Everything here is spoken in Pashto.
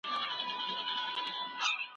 هغه په خپله وینا کي د ښه خلکو ستاینه وکړه.